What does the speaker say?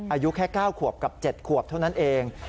อายุแค่๙ขวบกับ๗ขวบเท่านั้นเอง